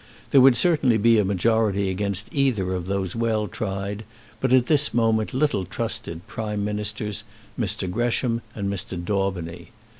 There would certainly be a majority against either of those well tried but, at this moment, little trusted Prime Ministers, Mr. Gresham and Mr. Daubeny.